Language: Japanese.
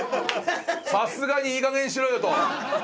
さすがにいいかげんにしろよと。